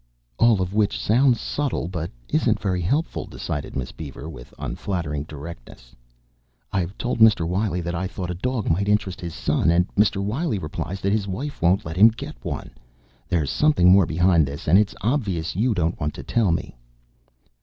"All of which sounds subtle but isn't very helpful," decided Miss Beaver with unflattering directness. "I've told Mr. Wiley that I thought a dog might interest his son and Mr. Wiley replies that his wife won't let him get one. There is something more behind this and it's obvious you don't want to tell me."